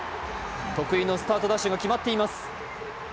得意のスタートダッシュが決まっています。